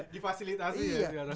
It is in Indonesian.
di fasilitasi ya